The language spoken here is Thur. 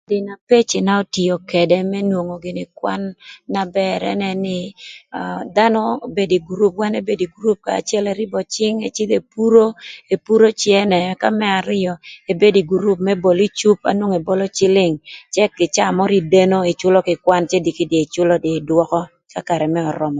Gin na pecina otio ködë më nwongo gïnï kwan na bër ënë nï dhanö bedo ï gurup wan ebedo ï gurup kanya acël ërïbö cïng ëcïdhö epuro epuro cënë ëka më arïö ebedo ï gurup më bol icup na nwongo ebolo cïlïng cë ï caa mörö ideno ëcülö kï kwan cë diki dong ïcülö dong ïdwökö ka karë mërë örömö.